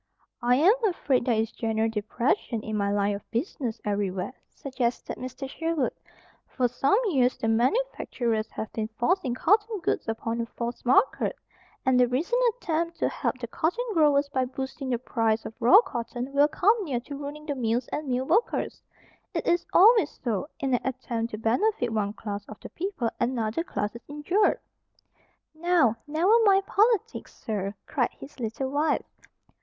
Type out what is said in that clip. "I am afraid there is general depression in my line of business everywhere," suggested Mr. Sherwood. "For some years the manufacturers have been forcing cotton goods upon a false market. And the recent attempt to help the cotton growers by boosting the price of raw cotton will come near to ruining the mills and mill workers. It is always so. In an attempt to benefit one class of the people another class is injured." "Now, never mind politics, sir!" cried his little wife.